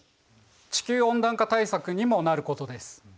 地球温暖化対策にもなることです。